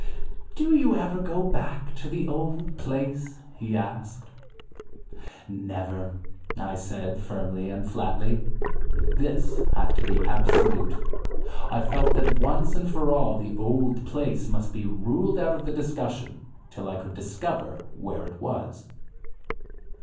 "Do you ever go back to the old place?" he asked. "Never," I said, firmly and flatly. This had to be absolute. I felt that once and for all the "old place" must be ruled out of the discussion till I could discover where it was.